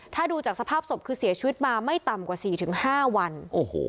ถ้าดูจากสภาพศพคือเสียชีวิตมาไม่ต่ำกว่าสี่ถึงห้าวันโอ้โห